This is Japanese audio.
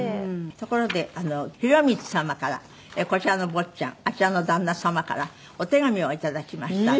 ところで宏光様からこちらの坊ちゃんあちらの旦那様からお手紙をいただきました。